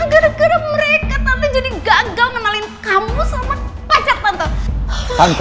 gara gara mereka tante jadi gagal ngenalin kamu sama pacar tante